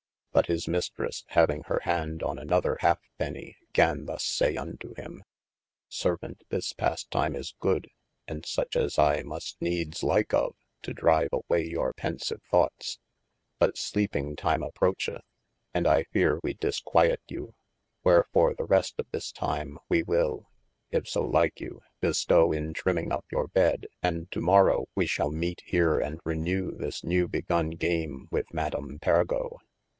but his Mistresse (having hir hand on another halfpeny) gan thus say unto him. Servant this pastime is good, and such as I must nedes like of, to drive away your pensive thoughtes : but sleeping time approcheth, & I feare we disquiete you : wherefore the rest of this time we will (if so like you) bestowe in trimming up your bed, and to morrow wee shal meete here and renewe this newe begon game with Madame Pargo.